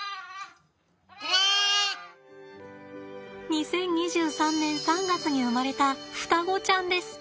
２０２３年３月に生まれた双子ちゃんです。